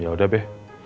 ya udah be